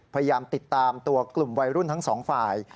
พยายามติดตามตัวกลุ่มวัยรุ่นทั้งสองฝ่าย